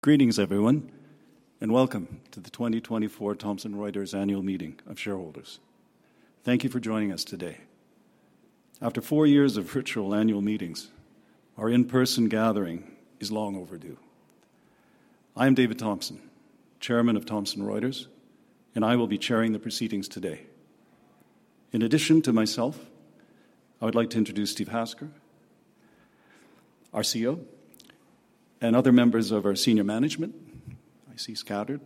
Greetings, everyone, and welcome to the 2024 Thomson Reuters Annual Meeting of Shareholders. Thank you for joining us today. After 4 years of virtual annual meetings, our in-person gathering is long overdue. I am David Thomson, Chairman of Thomson Reuters, and I will be chairing the proceedings today. In addition to myself, I would like to introduce Steve Hasker, our CEO, and other members of our senior management, I see scattered,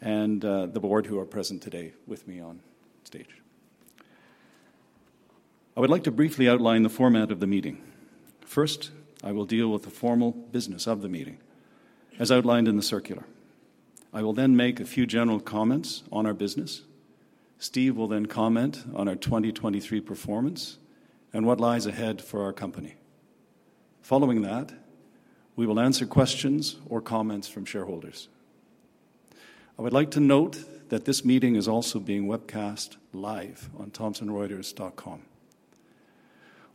and the board, who are present today with me on stage. I would like to briefly outline the format of the meeting. First, I will deal with the formal business of the meeting, as outlined in the circular. I will then make a few general comments on our business. Steve will then comment on our 2023 performance and what lies ahead for our company. Following that, we will answer questions or comments from shareholders. I would like to note that this meeting is also being webcast live on thomsonreuters.com.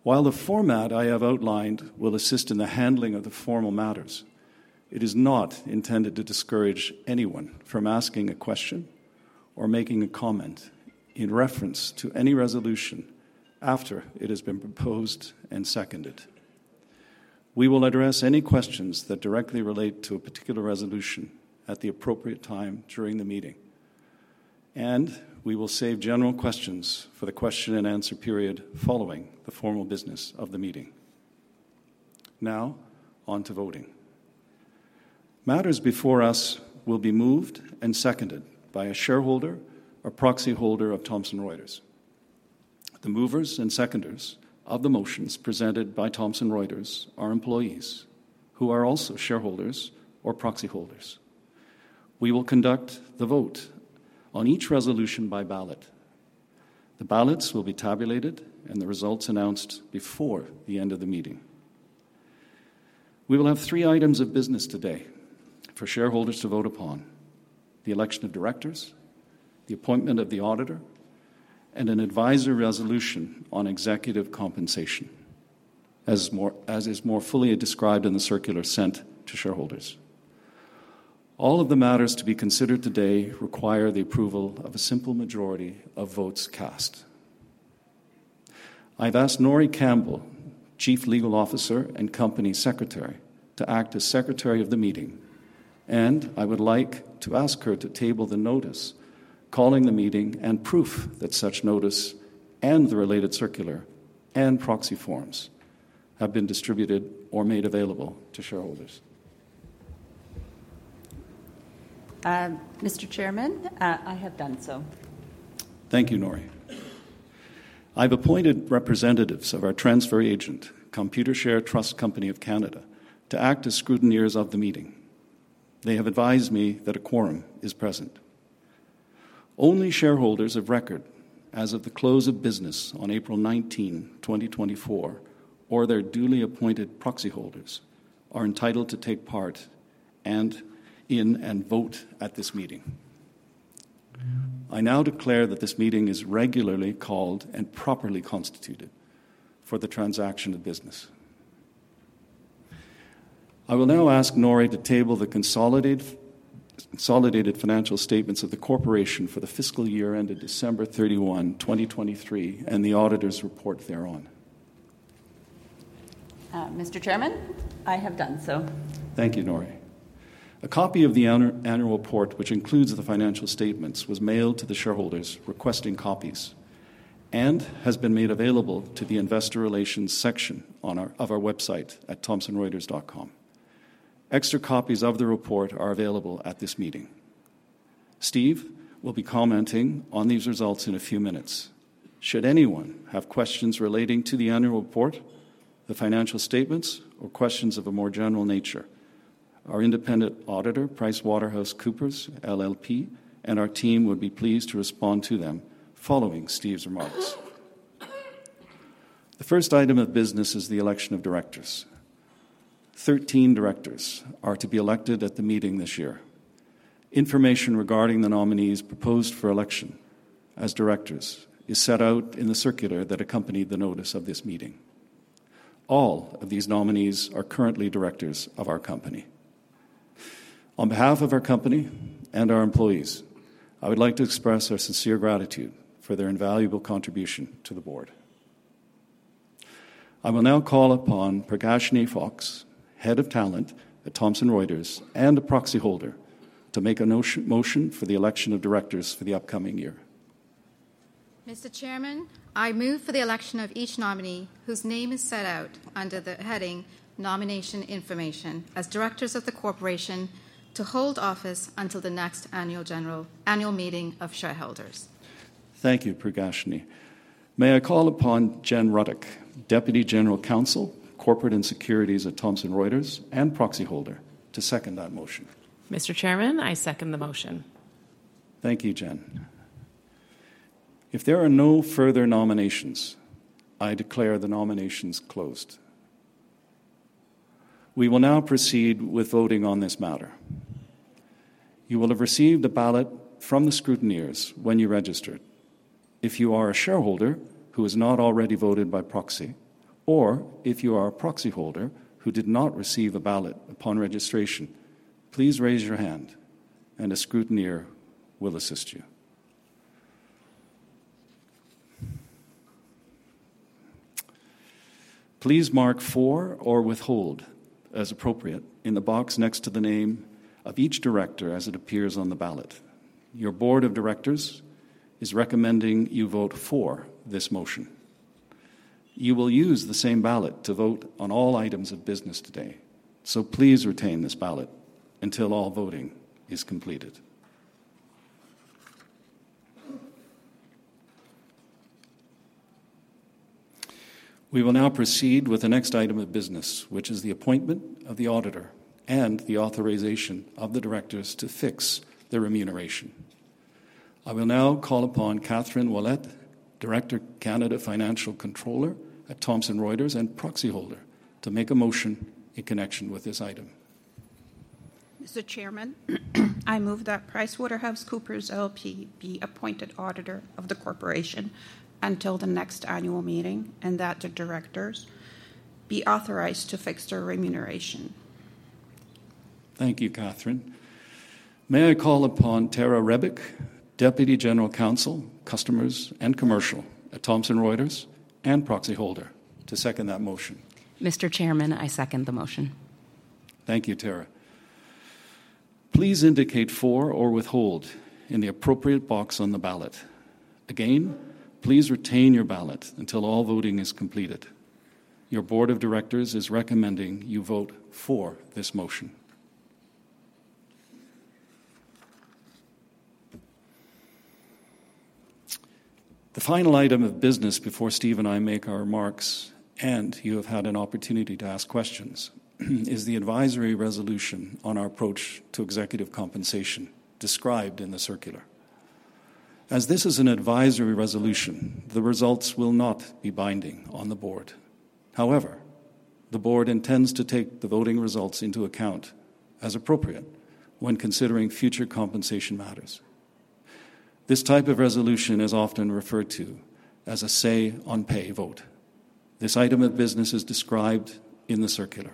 While the format I have outlined will assist in the handling of the formal matters, it is not intended to discourage anyone from asking a question or making a comment in reference to any resolution after it has been proposed and seconded. We will address any questions that directly relate to a particular resolution at the appropriate time during the meeting, and we will save general questions for the question and answer period following the formal business of the meeting. Now, on to voting. Matters before us will be moved and seconded by a shareholder or proxyholder of Thomson Reuters. The movers and seconders of the motions presented by Thomson Reuters are employees who are also shareholders or proxyholders. We will conduct the vote on each resolution by ballot. The ballots will be tabulated, and the results announced before the end of the meeting. We will have three items of business today for shareholders to vote upon: the election of directors, the appointment of the auditor, and an advisory resolution on executive compensation, as is more fully described in the circular sent to shareholders. All of the matters to be considered today require the approval of a simple majority of votes cast. I've asked Norie Campbell, Chief Legal Officer and Company Secretary, to act as secretary of the meeting, and I would like to ask her to table the notice, calling the meeting and proof that such notice and the related circular and proxy forms have been distributed or made available to shareholders. Mr. Chairman, I have done so. Thank you, Norie I've appointed representatives of our transfer agent, Computershare Trust Company of Canada, to act as scrutineers of the meeting. They have advised me that a quorum is present. Only shareholders of record as of the close of business on April 19, 2024, or their duly appointed proxy holders, are entitled to take part and in and vote at this meeting. I now declare that this meeting is regularly called and properly constituted for the transaction of business. I will now ask Nori to table the consolidate, consolidated financial statements of the corporation for the fiscal year ended December 31, 2023, and the auditor's report thereon. Mr. Chairman, I have done so. Thank you, Norie A copy of the annual report, which includes the financial statements, was mailed to the shareholders requesting copies and has been made available to the investor relations section on our website at thomsonreuters.com. Extra copies of the report are available at this meeting. Steve will be commenting on these results in a few minutes. Should anyone have questions relating to the annual report, the financial statements, or questions of a more general nature, our independent auditor, PricewaterhouseCoopers LLP, and our team would be pleased to respond to them following Steve's remarks. The first item of business is the election of directors. 13 directors are to be elected at the meeting this year. Information regarding the nominees proposed for election as directors is set out in the circular that accompanied the notice of this meeting. All of these nominees are currently directors of our company. On behalf of our company and our employees, I would like to express our sincere gratitude for their invaluable contribution to the board. I will now call upon Pragashini Fox, Head of Talent at Thomson Reuters and a proxyholder, to make a motion for the election of directors for the upcoming year. Mr. Chairman, I move for the election of each nominee whose name is set out under the heading Nomination Information, as directors of the corporation to hold office until the next annual general, annual meeting of shareholders. Thank you, Pragashini. May I call upon Jen Ruddock, Deputy General Counsel, Corporate and Securities at Thomson Reuters and proxyholder, to second that motion? Mr. Chairman, I second the motion. Thank you, Jen. If there are no further nominations, I declare the nominations closed. We will now proceed with voting on this matter.... You will have received a ballot from the scrutineers when you registered. If you are a shareholder who has not already voted by proxy, or if you are a proxyholder who did not receive a ballot upon registration, please raise your hand and a scrutineer will assist you. Please mark "For" or "Withhold," as appropriate, in the box next to the name of each director as it appears on the ballot. Your board of directors is recommending you vote for this motion. You will use the same ballot to vote on all items of business today, so please retain this ballot until all voting is completed. We will now proceed with the next item of business, which is the appointment of the auditor and the authorization of the directors to fix their remuneration. I will now call upon Kathryn Ouellette, Director, Canada Financial Controller at Thomson Reuters and proxyholder, to make a motion in connection with this item. Mr. Chairman, I move that PricewaterhouseCoopers LLP be appointed auditor of the corporation until the next annual meeting, and that the directors be authorized to fix their remuneration. Thank you, Catherine. May I call upon Tara Rebick, Deputy General Counsel, Customers and Commercial at Thomson Reuters and proxyholder, to second that motion? Mr. Chairman, I second the motion. Thank you, Tara. Please indicate "For" or "Withhold" in the appropriate box on the ballot. Again, please retain your ballot until all voting is completed. Your board of directors is recommending you vote for this motion. The final item of business before Steve and I make our remarks, and you have had an opportunity to ask questions, is the advisory resolution on our approach to executive compensation described in the circular. As this is an advisory resolution, the results will not be binding on the board. However, the board intends to take the voting results into account as appropriate when considering future compensation matters. This type of resolution is often referred to as a say-on-pay vote. This item of business is described in the circular.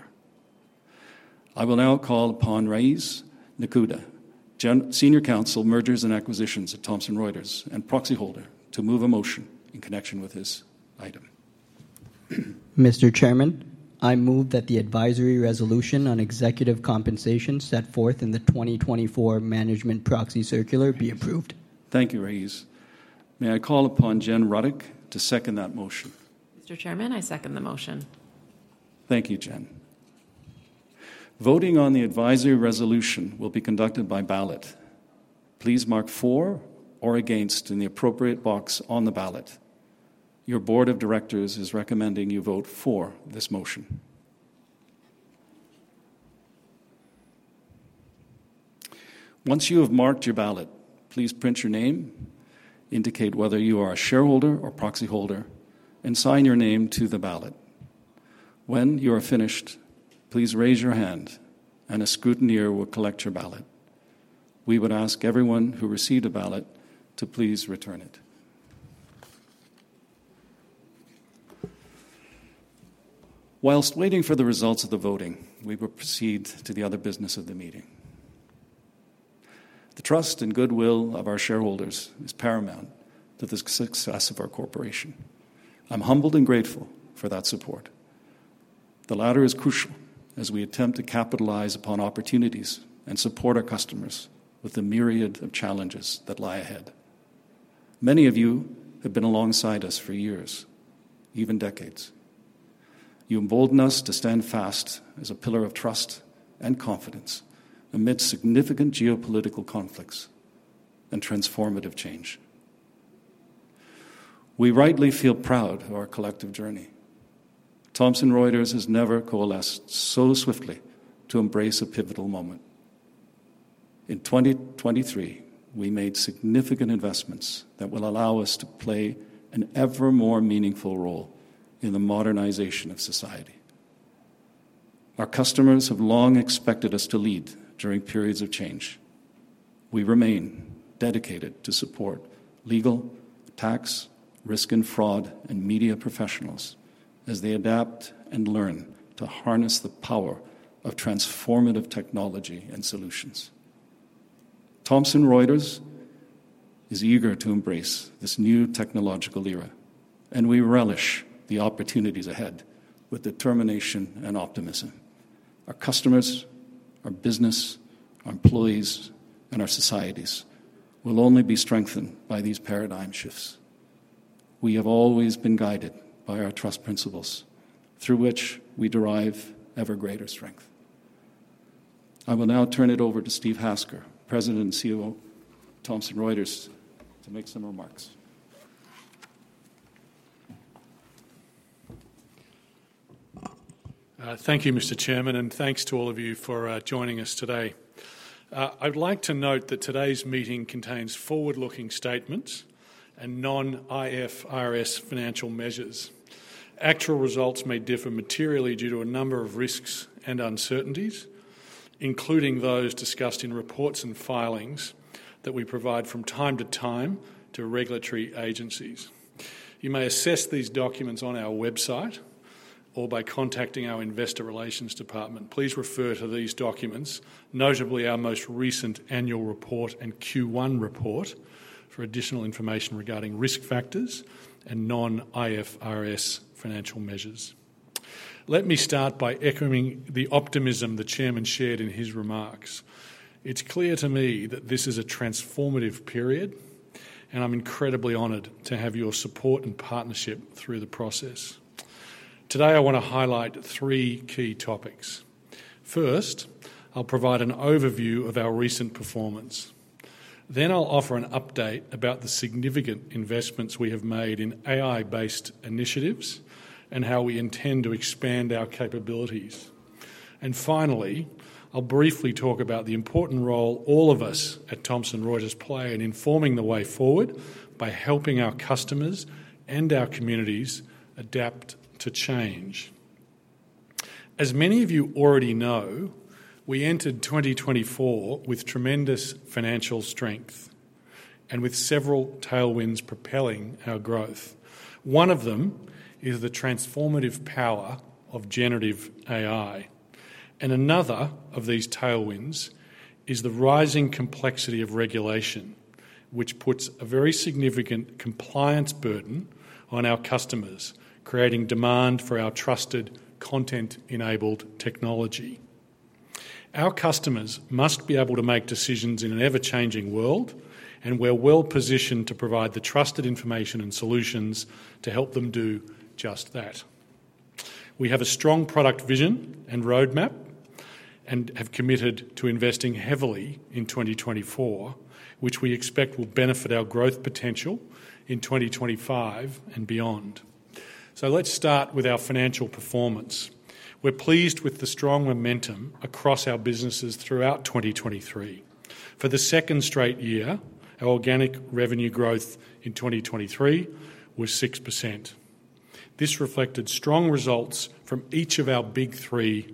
I will now call upon Raees Nakhuda, Senior Counsel, Mergers and Acquisitions at Thomson Reuters and proxyholder, to move a motion in connection with this item. Mr. Chairman, I move that the advisory resolution on executive compensation set forth in the 2024 management proxy circular be approved. Thank you, Raees. May I call upon Jen Ruddock to second that motion? Mr. Chairman, I second the motion. Thank you, Jen. Voting on the advisory resolution will be conducted by ballot. Please mark "For" or "Against" in the appropriate box on the ballot. Your board of directors is recommending you vote for this motion. Once you have marked your ballot, please print your name, indicate whether you are a shareholder or proxyholder, and sign your name to the ballot. When you are finished, please raise your hand and a scrutineer will collect your ballot. We would ask everyone who received a ballot to please return it. While waiting for the results of the voting, we will proceed to the other business of the meeting. The trust and goodwill of our shareholders is paramount to the success of our corporation. I'm humbled and grateful for that support. The latter is crucial as we attempt to capitalize upon opportunities and support our customers with the myriad of challenges that lie ahead. Many of you have been alongside us for years, even decades. You embolden us to stand fast as a pillar of trust and confidence amid significant geopolitical conflicts and transformative change. We rightly feel proud of our collective journey. Thomson Reuters has never coalesced so swiftly to embrace a pivotal moment. In 2023, we made significant investments that will allow us to play an ever more meaningful role in the modernization of society. Our customers have long expected us to lead during periods of change. We remain dedicated to support legal, tax, risk and fraud, and media professionals as they adapt and learn to harness the power of transformative technology and solutions. Thomson Reuters is eager to embrace this new technological era, and we relish the opportunities ahead with determination and optimism. Our customers, our business, our employees, and our societies will only be strengthened by these paradigm shifts. We have always been guided by our Trust Principles, through which we derive ever greater strength. I will now turn it over to Steve Hasker, President and CEO of Thomson Reuters, to make some remarks. Thank you, Mr. Chairman, and thanks to all of you for joining us today. I'd like to note that today's meeting contains forward-looking statements and non-IFRS financial measures. Actual results may differ materially due to a number of risks and uncertainties.... including those discussed in reports and filings that we provide from time to time to regulatory agencies. You may assess these documents on our website or by contacting our Investor Relations department. Please refer to these documents, notably our most recent annual report and Q1 report, for additional information regarding risk factors and non-IFRS financial measures. Let me start by echoing the optimism the chairman shared in his remarks. It's clear to me that this is a transformative period, and I'm incredibly honored to have your support and partnership through the process. Today, I want to highlight three key topics. First, I'll provide an overview of our recent performance. Then I'll offer an update about the significant investments we have made in AI-based initiatives and how we intend to expand our capabilities. Finally, I'll briefly talk about the important role all of us at Thomson Reuters play in informing the way forward by helping our customers and our communities adapt to change. As many of you already know, we entered 2024 with tremendous financial strength and with several tailwinds propelling our growth. One of them is the transformative power of generative AI, and another of these tailwinds is the rising complexity of regulation, which puts a very significant compliance burden on our customers, creating demand for our trusted content-enabled technology. Our customers must be able to make decisions in an ever-changing world, and we're well-positioned to provide the trusted information and solutions to help them do just that. We have a strong product vision and roadmap and have committed to investing heavily in 2024, which we expect will benefit our growth potential in 2025 and beyond. So let's start with our financial performance. We're pleased with the strong momentum across our businesses throughout 2023. For the second straight year, our organic revenue growth in 2023 was 6%. This reflected strong results from each of our big three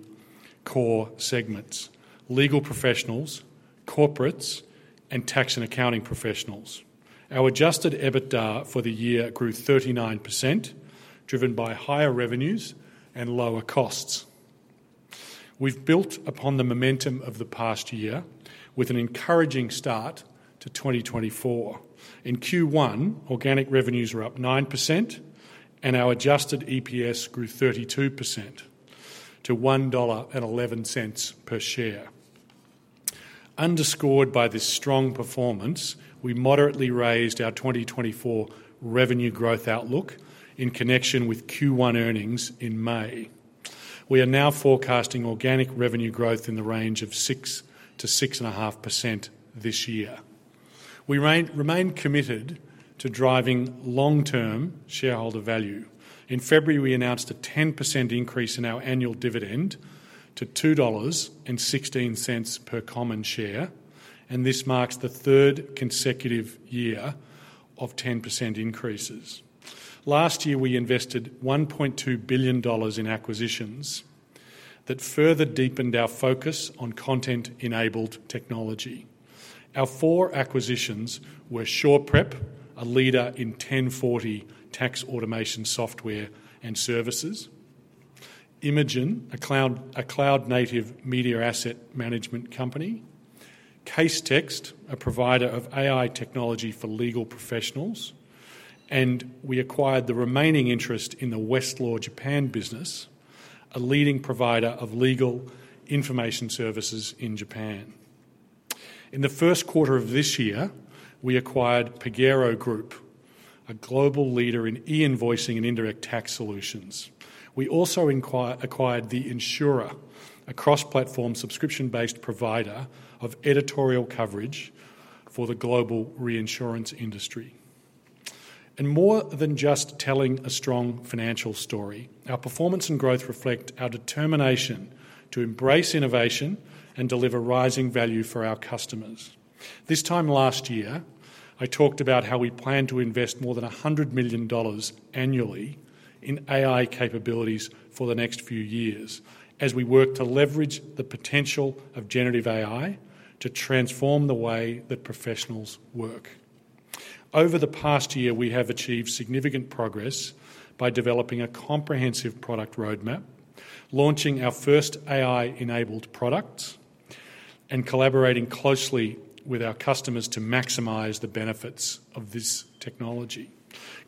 core segments: legal professionals, corporates, and tax and accounting professionals. Our Adjusted EBITDA for the year grew 39%, driven by higher revenues and lower costs. We've built upon the momentum of the past year with an encouraging start to 2024. In Q1, organic revenues were up 9%, and our Adjusted EPS grew 32% to $1.11 per share. Underscored by this strong performance, we moderately raised our 2024 revenue growth outlook in connection with Q1 earnings in May. We are now forecasting organic revenue growth in the range of 6%-6.5% this year. We remain committed to driving long-term shareholder value. In February, we announced a 10% increase in our annual dividend to $2.16 per common share, and this marks the third consecutive year of 10% increases. Last year, we invested $1.2 billion in acquisitions that further deepened our focus on content-enabled technology. Our four acquisitions were SurePrep, a leader in 1040 tax automation software and services, Imagen, a cloud-native media asset management company, Casetext, a provider of AI technology for legal professionals, and we acquired the remaining interest in the Westlaw Japan business, a leading provider of legal information services in Japan. In the first quarter of this year, we acquired Pagero Group, a global leader in e-invoicing and indirect tax solutions. We also acquired The Insurer, a cross-platform, subscription-based provider of editorial coverage for the global reinsurance industry. And more than just telling a strong financial story, our performance and growth reflect our determination to embrace innovation and deliver rising value for our customers. This time last year, I talked about how we plan to invest more than $100 million annually in AI capabilities for the next few years as we work to leverage the potential of generative AI to transform the way that professionals work. Over the past year, we have achieved significant progress by developing a comprehensive product roadmap, launching our first AI-enabled products, and collaborating closely with our customers to maximize the benefits of this technology.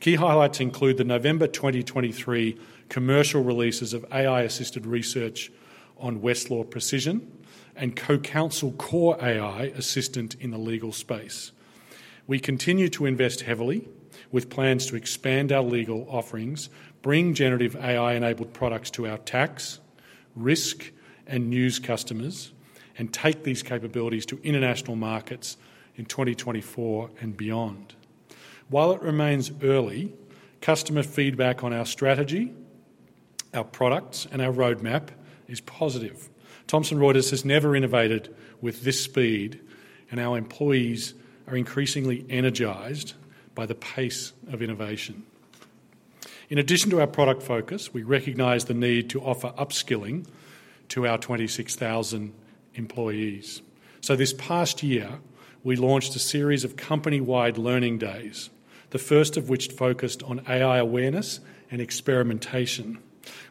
Key highlights include the November 2023 commercial releases of AI-assisted research on Westlaw Precision and CoCounsel Core AI assistant in the legal space. We continue to invest heavily, with plans to expand our legal offerings, bring generative AI-enabled products to our tax, risk, and news customers, and take these capabilities to international markets in 2024 and beyond. While it remains early, customer feedback on our strategy, our products, and our roadmap is positive. Thomson Reuters has never innovated with this speed, and our employees are increasingly energized by the pace of innovation. In addition to our product focus, we recognize the need to offer upskilling to our 26,000 employees. So this past year, we launched a series of company-wide learning days, the first of which focused on AI awareness and experimentation.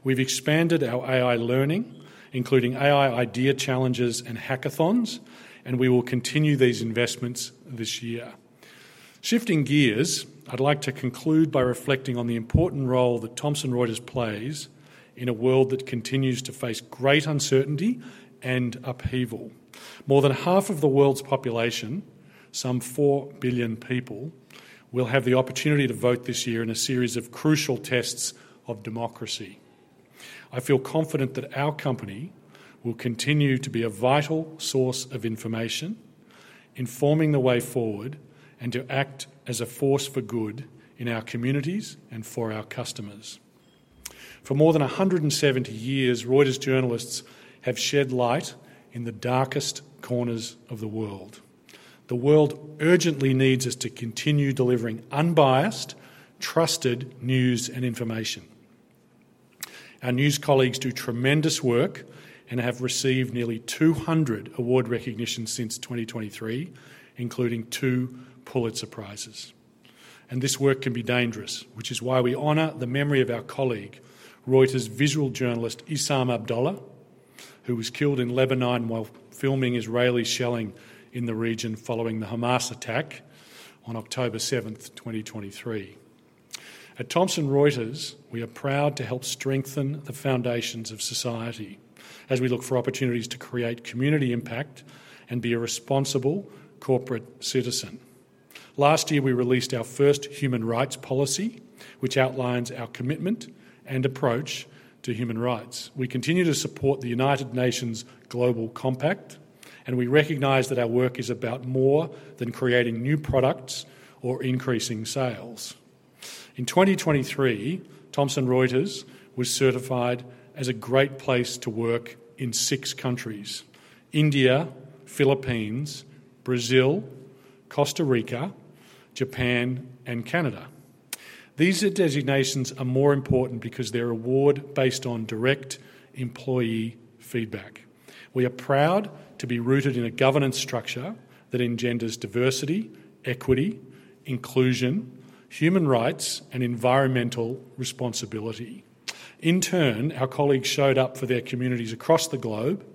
We've expanded our AI learning, including AI idea challenges and hackathons, and we will continue these investments this year. Shifting gears, I'd like to conclude by reflecting on the important role that Thomson Reuters plays in a world that continues to face great uncertainty and upheaval. More than half of the world's population, some 4 billion people, will have the opportunity to vote this year in a series of crucial tests of democracy. I feel confident that our company will continue to be a vital source of information, informing the way forward, and to act as a force for good in our communities and for our customers. For more than 170 years, Reuters journalists have shed light in the darkest corners of the world. The world urgently needs us to continue delivering unbiased, trusted news and information. Our news colleagues do tremendous work and have received nearly 200 award recognitions since 2023, including two Pulitzer Prizes. This work can be dangerous, which is why we honor the memory of our colleague, Reuters visual journalist Issam Abdallah, who was killed in Lebanon while filming Israeli shelling in the region following the Hamas attack on October 7, 2023. At Thomson Reuters, we are proud to help strengthen the foundations of society as we look for opportunities to create community impact and be a responsible corporate citizen. Last year, we released our first human rights policy, which outlines our commitment and approach to human rights. We continue to support the United Nations Global Compact, and we recognize that our work is about more than creating new products or increasing sales. In 2023, Thomson Reuters was certified as a Great Place to Work in six countries: India, Philippines, Brazil, Costa Rica, Japan, and Canada. These designations are more important because they're awarded based on direct employee feedback. We are proud to be rooted in a governance structure that engenders diversity, equity, inclusion, human rights, and environmental responsibility. In turn, our colleagues showed up for their communities across the globe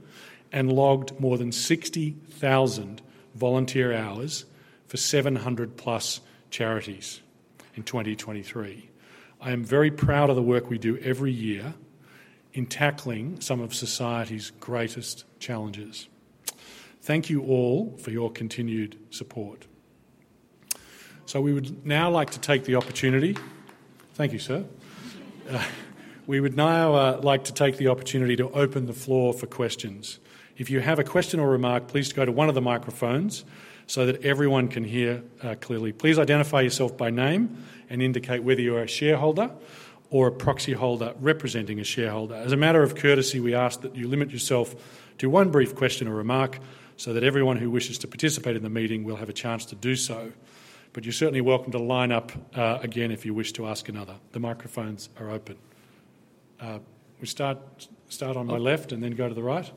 and logged more than 60,000 volunteer hours for 700+ charities in 2023. I am very proud of the work we do every year in tackling some of society's greatest challenges. Thank you all for your continued support. So we would now like to take the opportunity— Thank you, sir. We would now like to take the opportunity to open the floor for questions. If you have a question or remark, please go to one of the microphones so that everyone can hear clearly. Please identify yourself by name and indicate whether you're a shareholder or a proxy holder representing a shareholder. As a matter of courtesy, we ask that you limit yourself to one brief question or remark, so that everyone who wishes to participate in the meeting will have a chance to do so. But you're certainly welcome to line up again, if you wish to ask another. The microphones are open. We start on my left and then go to the right.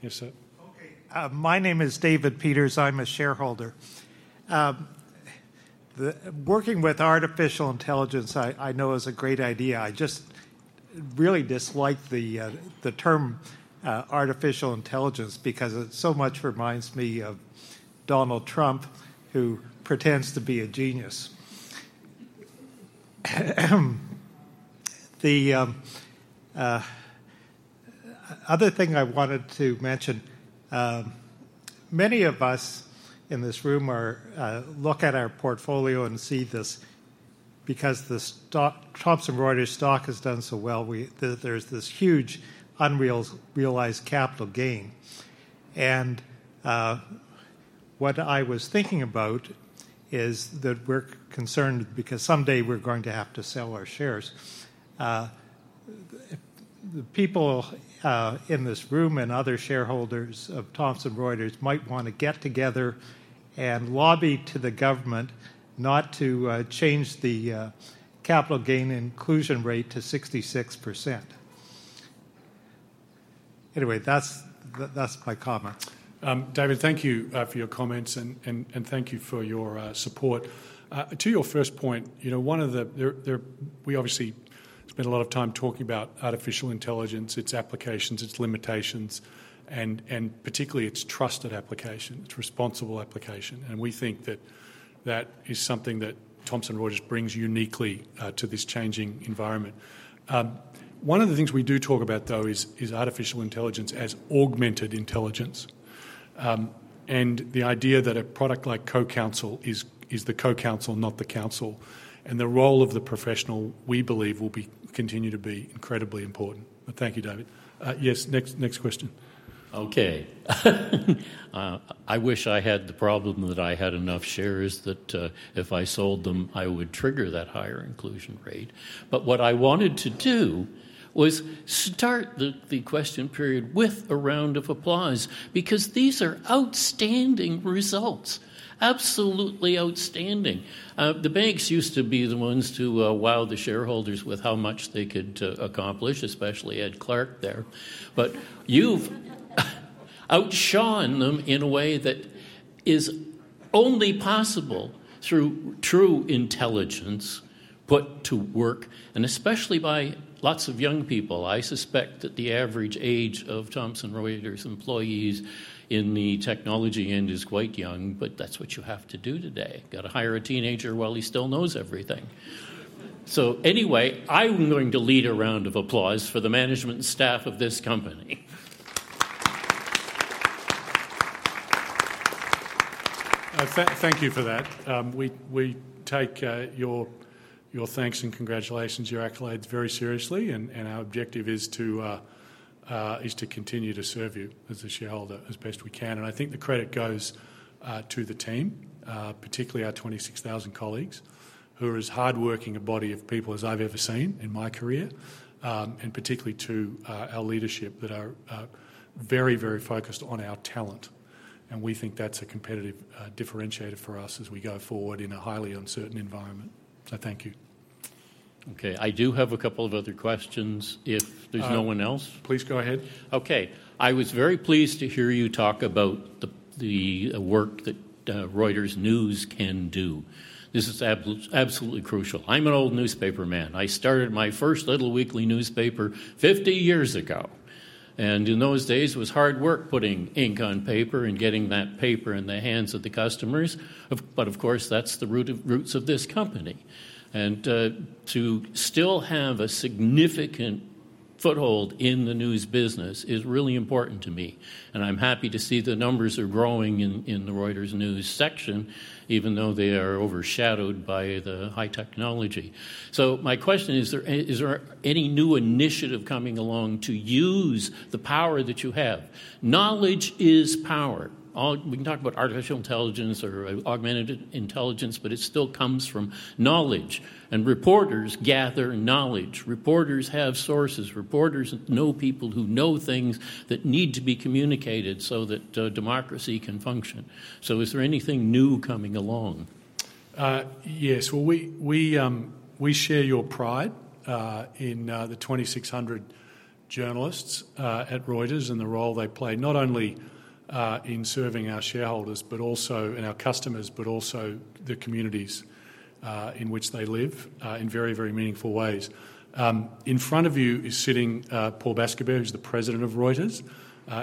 Yes, sir. Okay, my name is David Peters. I'm a shareholder. Working with artificial intelligence, I know, is a great idea. I just really dislike the term artificial intelligence because it so much reminds me of Donald Trump, who pretends to be a genius. The other thing I wanted to mention, many of us in this room are look at our portfolio and see this because the stock, Thomson Reuters stock has done so well, there's this huge unrealized capital gain. And what I was thinking about is that we're concerned because someday we're going to have to sell our shares. The people in this room and other shareholders of Thomson Reuters might want to get together and lobby to the government not to change the capital gain inclusion rate to 66%. Anyway, that's, that's my comment. David, thank you for your comments and thank you for your support. To your first point, you know, one of the-- we obviously spend a lot of time talking about artificial intelligence, its applications, its limitations, and particularly its trusted application, its responsible application, and we think that that is something that Thomson Reuters brings uniquely to this changing environment. One of the things we do talk about, though, is artificial intelligence as augmented intelligence, and the idea that a product like CoCounsel is the co-counsel, not the counsel, and the role of the professional, we believe, will continue to be incredibly important. But thank you, David. Yes, next question.... Okay. I wish I had the problem that I had enough shares that, if I sold them, I would trigger that higher inclusion rate. But what I wanted to do was start the question period with a round of applause, because these are outstanding results, absolutely outstanding. The banks used to be the ones to wow the shareholders with how much they could accomplish, especially Ed Clark there. But you've outshone them in a way that is only possible through true intelligence put to work, and especially by lots of young people. I suspect that the average age of Thomson Reuters employees in the technology end is quite young, but that's what you have to do today. Gotta hire a teenager while he still knows everything. Anyway, I'm going to lead a round of applause for the management and staff of this company. Thank you for that. We take your thanks and congratulations, your accolades very seriously, and our objective is to continue to serve you as a shareholder as best we can. And I think the credit goes to the team, particularly our 26,000 colleagues, who are as hardworking a body of people as I've ever seen in my career, and particularly to our leadership, that are very, very focused on our talent. And we think that's a competitive differentiator for us as we go forward in a highly uncertain environment. So thank you. Okay, I do have a couple of other questions, if there's no one else? Please go ahead. Okay. I was very pleased to hear you talk about the work that Reuters News can do. This is absolutely crucial. I'm an old newspaperman. I started my first little weekly newspaper 50 years ago, and in those days, it was hard work putting ink on paper and getting that paper in the hands of the customers. But of course, that's the roots of this company. And to still have a significant foothold in the news business is really important to me, and I'm happy to see the numbers are growing in the Reuters News section, even though they are overshadowed by the high technology. So my question is, is there any new initiative coming along to use the power that you have? Knowledge is power. All... We can talk about artificial intelligence or augmented intelligence, but it still comes from knowledge, and reporters gather knowledge. Reporters have sources. Reporters know people who know things that need to be communicated so that, democracy can function. So is there anything new coming along? Yes. Well, we share your pride in the 2,600 journalists at Reuters and the role they play, not only in serving our shareholders, but also, and our customers, but also the communities in which they live in very, very meaningful ways. In front of you is sitting Paul Bascobert, who's the president of Reuters.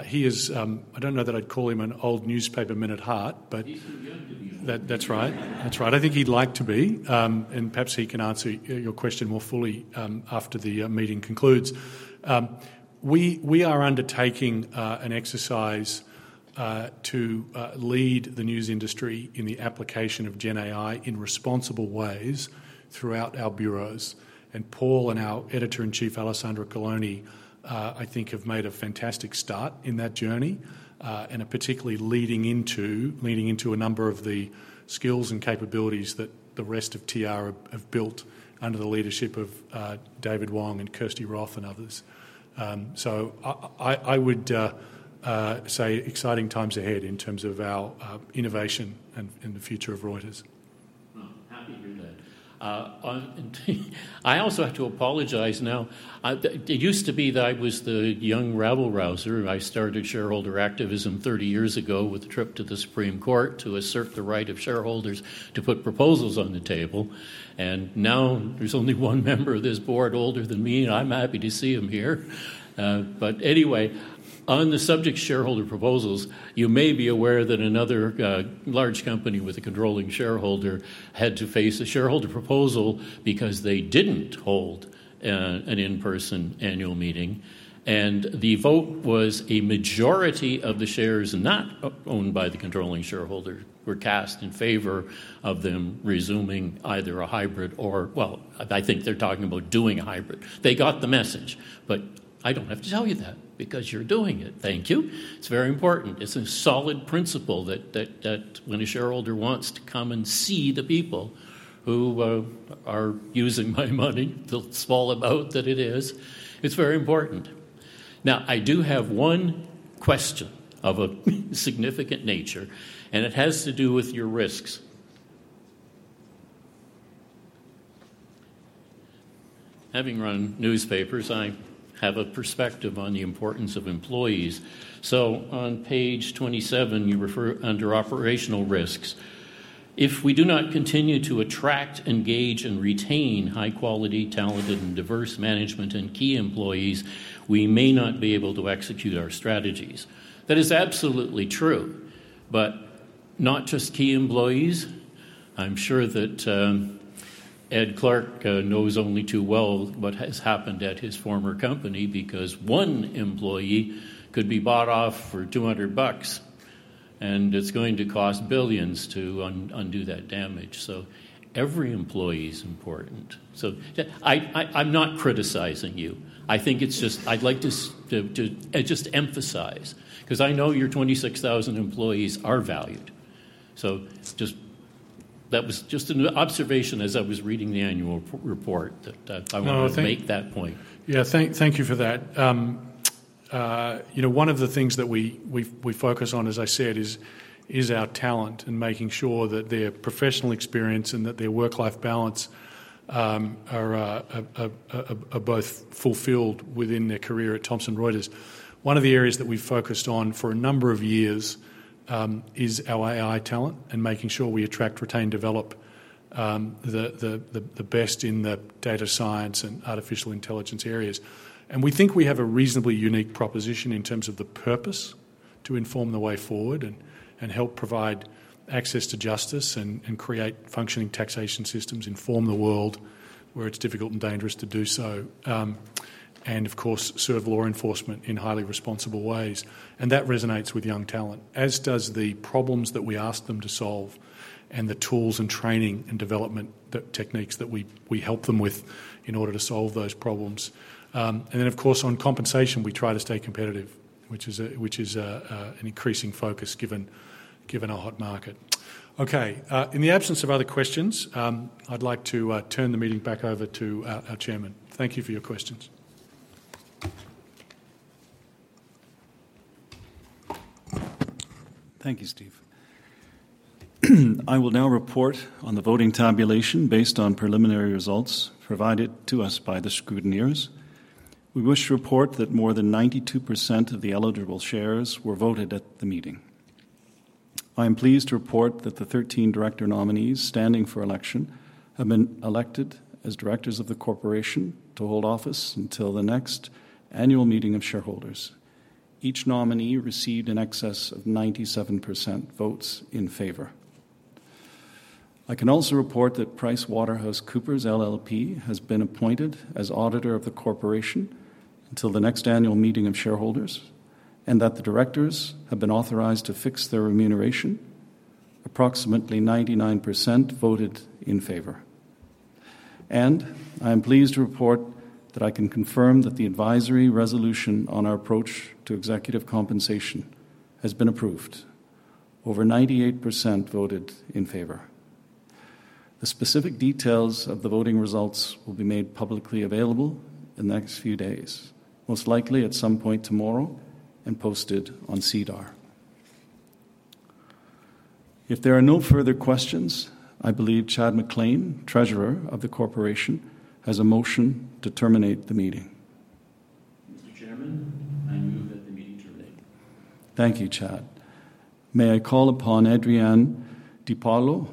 He is... I don't know that I'd call him an old newspaperman at heart, but- He's too young to be an old newspaperman. That, that's right. That's right. I think he'd like to be, and perhaps he can answer your question more fully, after the meeting concludes. We are undertaking an exercise to lead the news industry in the application of gen AI in responsible ways throughout our bureaus, and Paul and our Editor-in-Chief, Alessandra Galloni, I think have made a fantastic start in that journey, and are particularly leading into a number of the skills and capabilities that the rest of TR have built under the leadership of David Wong and Kirsty Roth and others. So I would say exciting times ahead in terms of our innovation and the future of Reuters. Well, happy to hear that. I also have to apologize now. It used to be that I was the young rabble-rouser. I started shareholder activism 30 years ago with a trip to the Supreme Court to assert the right of shareholders to put proposals on the table, and now there's only one member of this board older than me, and I'm happy to see him here. But anyway, on the subject of shareholder proposals, you may be aware that another large company with a controlling shareholder had to face a shareholder proposal because they didn't hold an in-person annual meeting, and the vote was a majority of the shares not owned by the controlling shareholder, were cast in favor of them resuming either a hybrid or... Well, I think they're talking about doing a hybrid. They got the message, but I don't have to tell you that because you're doing it. Thank you. It's very important. It's a solid principle that when a shareholder wants to come and see the people who are using my money, the small amount that it is, it's very important. Now, I do have one question of a significant nature, and it has to do with your risks. Having run newspapers, I have a perspective on the importance of employees. So on page 27, you refer under operational risks, "If we do not continue to attract, engage, and retain high-quality, talented and diverse management and key employees, we may not be able to execute our strategies." That is absolutely true, but not just key employees. I'm sure that Ed Clark knows only too well what has happened at his former company, because one employee could be bought off for $200.... and it's going to cost $ billions to undo that damage. So every employee is important. So, yeah, I, I'm not criticizing you. I think it's just-- I'd like to just emphasize, 'cause I know your 26,000 employees are valued. So just, that was just an observation as I was reading the annual report that, that I wanted- No, thank- to make that point. Yeah. Thank, thank you for that. You know, one of the things that we focus on, as I said, is our talent and making sure that their professional experience and that their work-life balance are both fulfilled within their career at Thomson Reuters. One of the areas that we've focused on for a number of years is our AI talent and making sure we attract, retain, develop the best in the data science and artificial intelligence areas. And we think we have a reasonably unique proposition in terms of the purpose, to inform the way forward and help provide access to justice and create functioning taxation systems, inform the world where it's difficult and dangerous to do so. And of course, serve law enforcement in highly responsible ways. That resonates with young talent, as does the problems that we ask them to solve and the tools and training and development, the techniques that we help them with in order to solve those problems. And then, of course, on compensation, we try to stay competitive, which is an increasing focus, given our hot market. Okay, in the absence of other questions, I'd like to turn the meeting back over to our chairman. Thank you for your questions. Thank you, Steve. I will now report on the voting tabulation based on preliminary results provided to us by the scrutineers. We wish to report that more than 92% of the eligible shares were voted at the meeting. I am pleased to report that the 13 director nominees standing for election have been elected as directors of the Corporation to hold office until the next Annual Meeting of Shareholders. Each nominee received in excess of 97% votes in favor. I can also report that PricewaterhouseCoopers LLP has been appointed as auditor of the Corporation until the next Annual Meeting of Shareholders, and that the directors have been authorized to fix their remuneration. Approximately 99% voted in favor. I am pleased to report that I can confirm that the advisory resolution on our approach to executive compensation has been approved. Over 98% voted in favor. The specific details of the voting results will be made publicly available in the next few days, most likely at some point tomorrow, and posted on SEDAR. If there are no further questions, I believe Chad McLean, Treasurer of the Corporation, has a motion to terminate the meeting. Mr. Chairman, I move that the meeting terminate. Thank you, Chad. May I call upon Adrienne DiPaolo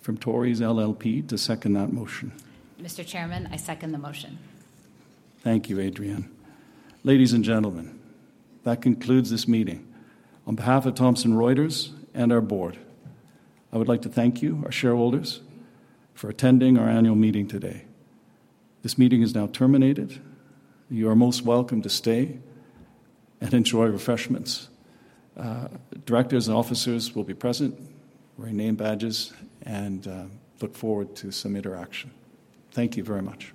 from Torys LLP, to second that motion? Mr. Chairman, I second the motion. Thank you, Adrienne. Ladies and gentlemen, that concludes this meeting. On behalf of Thomson Reuters and our board, I would like to thank you, our shareholders, for attending our annual meeting today. This meeting is now terminated. You are most welcome to stay and enjoy refreshments. Directors and officers will be present, wearing name badges, and look forward to some interaction. Thank you very much.